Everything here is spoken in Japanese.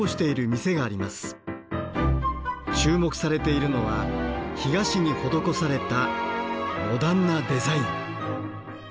注目されているのは干菓子に施されたモダンなデザイン。